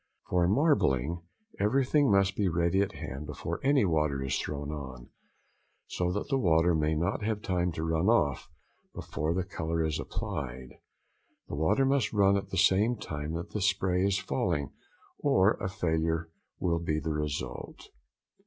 For marbling, every thing must be ready at hand before any water is thrown on, so that the water may not have time to run off before the colour is applied. The water must run at the same time that the spray is falling, or a failure will be the result.